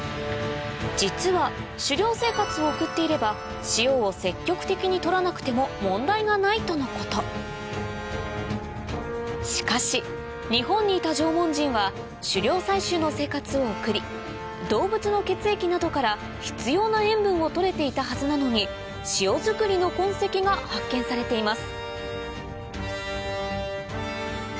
実は狩猟生活を送っていれば塩を積極的に取らなくても問題がないとのことしかし日本にいた縄文人は狩猟採集の生活を送り動物の血液などから必要な塩分を取れていたはずなのに塩づくりの痕跡が発見されています